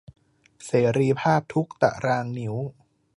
เสรีภาพทุกข์ตะรางนิ้ว